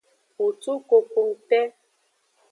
Kutu kokongte.